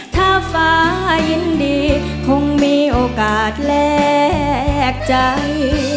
ถ้าฟ้ายินดีคงมีโอกาสแลกใจ